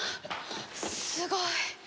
すごい！